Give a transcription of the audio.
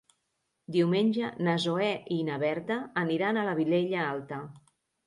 Diumenge na Zoè i na Berta aniran a la Vilella Alta.